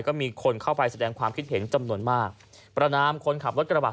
ก็มีคนเข้าไปแสดงความคิดเห็นจำนวนมากประนามคนขับรถกระบะ